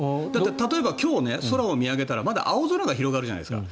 例えば、今日空を見上げたらまだ青空が広がるじゃないですか。